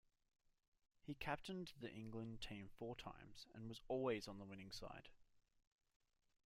He captained the England team four times and was always on the winning side.